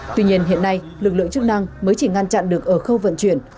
tuy nhiên hiện nay lực lượng chức năng mới chỉ ngăn chặn được ở khâu vận chuyển